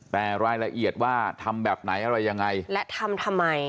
แต่รายละเอียดว่าทำแบบไหนอะไรยังไงและทำทำไม